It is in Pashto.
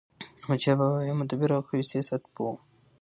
احمدشاه بابا يو مدبر او قوي سیاست پوه و.